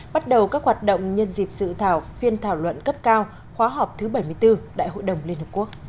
bắt đầu các hoạt động nhân dịp dự thảo phiên thảo luận cấp cao khóa họp thứ bảy mươi bốn đại hội đồng liên hợp quốc